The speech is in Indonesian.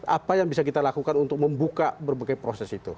apa yang bisa kita lakukan untuk membuka berbagai proses itu